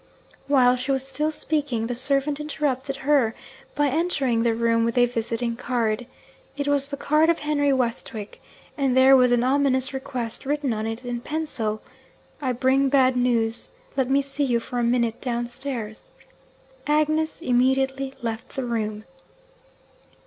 While she was still speaking, the servant interrupted her by entering the room with a visiting card. It was the card of Henry Westwick; and there was an ominous request written on it in pencil. 'I bring bad news. Let me see you for a minute downstairs.' Agnes immediately left the room.